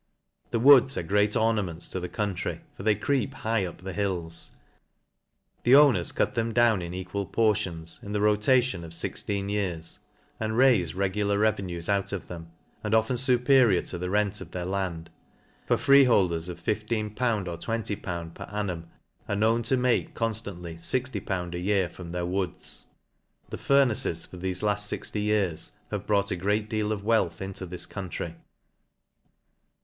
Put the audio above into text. The woods are great ornaments to the country,, fcr they creep high up the hills. The owners, cut them O 5l down £$$ LANCASHIRE. down in equal portions, in the rotation of fixteai years, and raife regular revenues out of them, and often fuperior to the rent of their land ; for freehol ders of 15/. or 20/. per annum, are known to make conftantly 60/. a year from their woods. The fur naces for fhefe laft fixty years have brought a great deal of wealth into this county.